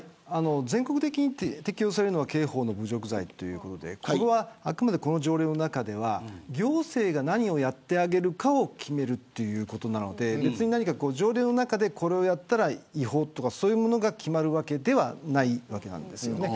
全国的に適用されるのは刑法の侮辱罪であくまで、この条例の中では行政が何をやってあげるかを決めるということなので条例の中で、これをやったら違法とかそういうものが決まるわけではないです。